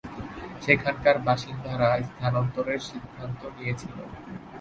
সেখানকার বাসিন্দারা স্থানান্তরের সিদ্ধান্ত নিয়েছিল।